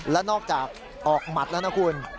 และนอกจากออกหมัดแล้วนะคุณ